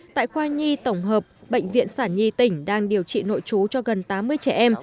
tại khoa nhi tổng hợp bệnh viện sản nhi tỉnh đang điều trị nội chú cho gần tám mươi trẻ em